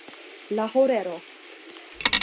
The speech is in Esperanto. La horero.